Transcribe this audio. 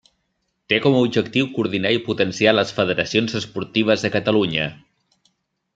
Té com a objectiu coordinar i potenciar les federacions esportives de Catalunya.